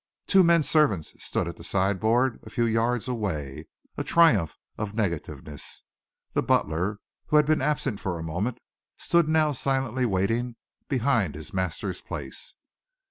Two men servants stood at the sideboard a few yards away, a triumph of negativeness. The butler, who had been absent for a moment, stood now silently waiting behind his master's place.